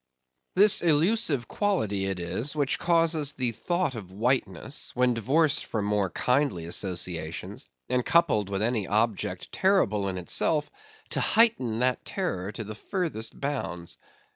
This elusive quality it is, which causes the thought of whiteness, when divorced from more kindly associations, and coupled with any object terrible in itself, to heighten that terror to the furthest bounds.